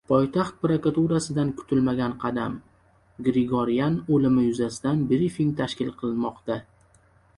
Poytaxt prokuraturasidan kutilmagan qadam: Grigoryan o‘limi yuzasidan brifing tashkil qilinmoqda!